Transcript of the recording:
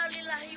cari yang lain